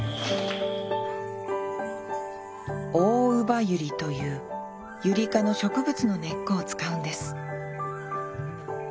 オオウバユリというユリ科の植物の根っこを使うんです